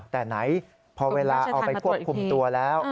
แต่ไหนพอเวลาเอาไปควบคุมตัวแล้ว